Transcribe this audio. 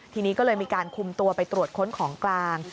ทีนี้ก็เลยมีการคุมตัวไปตรวจค้นของกลาง